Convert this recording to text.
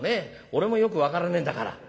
俺もよく分からねえんだから」。